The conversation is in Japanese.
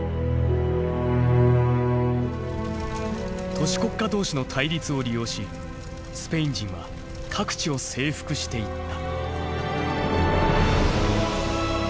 都市国家同士の対立を利用しスペイン人は各地を征服していった。